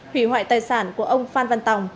hủy hoại tài sản của ông phan văn tòng